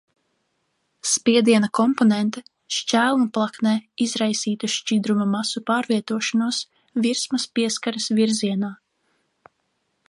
Spiediena komponente šķēluma plaknē izraisītu šķidruma masu pārvietošanos virsmas pieskares virzienā.